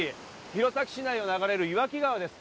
弘前市内を流れる岩木川です。